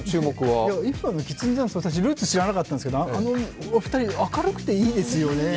今のきつねダンス、私、ルーツ知らなかったんですがあのお二人、明るくていいですよね。